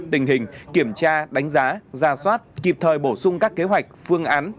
tình hình kiểm tra đánh giá ra soát kịp thời bổ sung các kế hoạch phương án